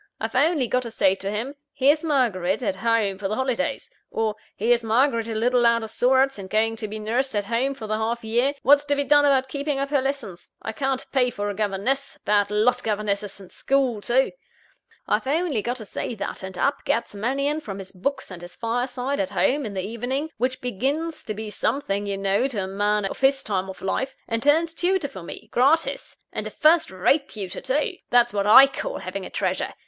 I've only got to say to him: 'Here's Margaret at home for the holidays;' or, 'Here's Margaret a little out of sorts, and going to be nursed at home for the half year what's to be done about keeping up her lessons? I can't pay for a governess (bad lot, governesses!) and school too.' I've only got to say that; and up gets Mannion from his books and his fireside at home, in the evening which begins to be something, you know, to a man of his time of life and turns tutor for me, gratis; and a first rate tutor, too! That's what I call having a treasure!